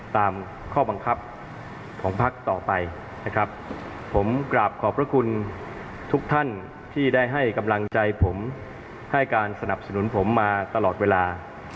ตามข้อบังคับของพักต่อไปนะครับผมกราบขอบพระคุณทุกท่านที่ได้ให้กำลังใจผมให้การสนับสนุนผมมาตลอดเวลา